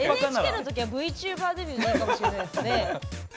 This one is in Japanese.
ＮＨＫのときはＶＴｕｂｅｒデビューになるかもしれないですね。